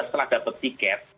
setelah dapat tiket